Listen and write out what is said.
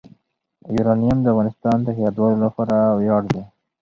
یورانیم د افغانستان د هیوادوالو لپاره ویاړ دی.